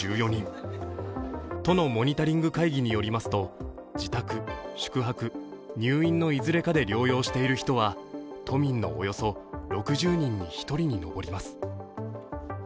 都のモニタリング会議によりますと、自宅、宿泊、入院のいずれかで療養している人は都民のおよそ６０人に１人に上ります。